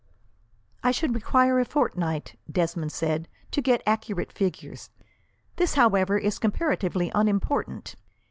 "I should require a fortnight," Desmond said, "to get accurate figures. This, however, is comparatively unimportant.